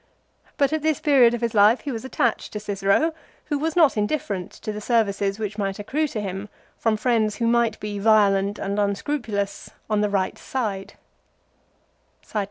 But at this period of his life he was attached to Cicero, who was not indifferent to the services which might accrue to him from friends who might be violent and unscrupulous on the right side.